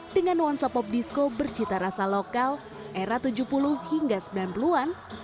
dengan nuansa pop disco bercita rasa lokal era tujuh puluh hingga sembilan puluh an